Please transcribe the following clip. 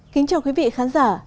kính chào quý vị khán giả